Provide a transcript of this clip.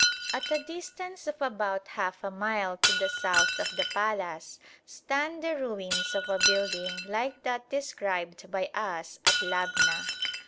At a distance of about half a mile to the south of the palace stand the ruins of a building like that described by us at Labna.